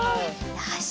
よし！